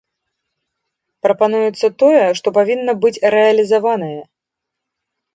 Прапануецца тое, што павінна быць рэалізаванае.